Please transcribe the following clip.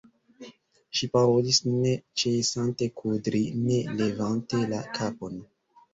Ŝi parolis, ne ĉesante kudri, ne levante la kapon.